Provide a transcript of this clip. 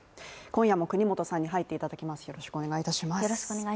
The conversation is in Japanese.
今夜も國本さんに入っていただきます。